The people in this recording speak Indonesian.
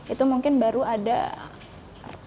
itu mungkin baru ada